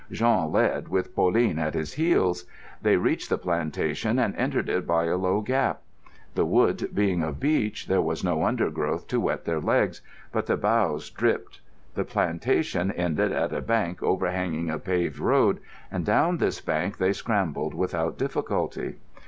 Jean led, with Pauline at his heels. They reached the plantation and entered it by a low gap. The wood being of beech, there was no undergrowth to wet their legs; but the boughs dripped. The plantation ended at a bank overhanging a paved road, and down this bank they scrambled without difficulty.